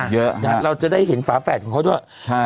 เยอะนะเราจะได้เห็นฝาแฝดของเขาด้วย